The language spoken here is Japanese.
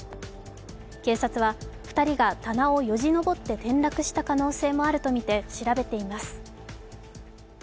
警察は２人が棚をよじ登って転落した可能性もあるとみて調べています。